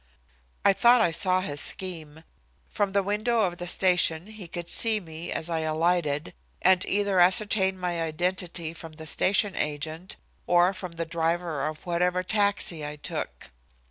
I thought I saw his scheme. From the window of the station he could see me as I alighted, and either ascertain my identity from the station agent or from the driver of whatever taxi I took.